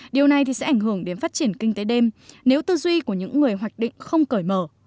điều này sẽ ảnh hưởng đến phát triển kinh tế đêm nếu tư duy của những người hoạch định không cởi mở